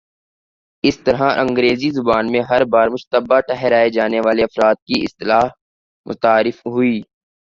اس طرح انگریزی زبان میں ''ہر بار مشتبہ ٹھہرائے جانے والے افراد "کی اصطلاح متعارف ہوئی۔